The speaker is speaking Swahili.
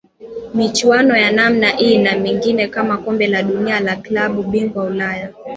Michuano ya namna hii na mingine kama kombe la dunia na klabu bingwa Ulaya